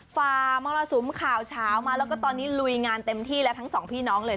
ฝ่ามรสุมข่าวเช้ามาแล้วก็ตอนนี้ลุยงานเต็มที่แล้วทั้งสองพี่น้องเลย